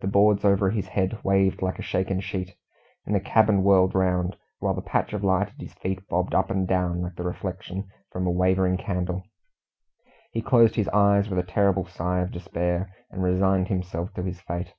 The boards over his head waved like a shaken sheet, and the cabin whirled round, while the patch of light at his feet bobbed up and down like the reflection from a wavering candle. He closed his eyes with a terrible sigh of despair, and resigned himself to his fate.